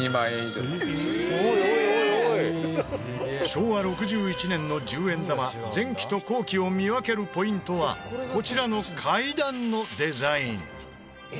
昭和６１年の１０円玉前期と後期を見分けるポイントはこちらの階段のデザイン。